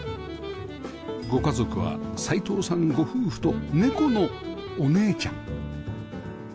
ご家族は齊藤さんご夫婦とネコのおねえちゃん